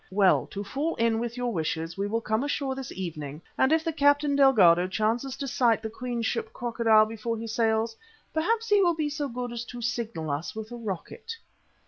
Well, to fall in with your wishes, we will come ashore this evening, and if the Captain Delgado chances to sight the Queen's ship Crocodile before he sails, perhaps he will be so good as to signal to us with a rocket."